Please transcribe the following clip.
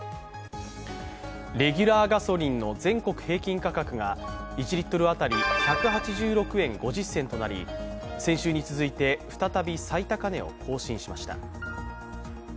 レギュラーガソリンの全国平均価格が１リットル当たり１８６円５０銭となり先週に続いて再び最高値を更新しました。